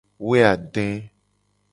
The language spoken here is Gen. Woeade.